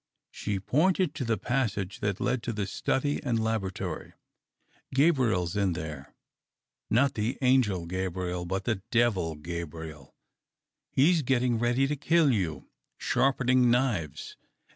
She pointed to the passage that led to the study and laboratory. " Gabriel's in there — not the angel Gabriel, but the devil Gabriel. He's getting ready to kill you, sharpening knives.